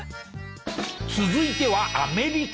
続いてはアメリカ。